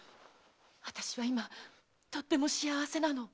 私は今とっても幸せなの。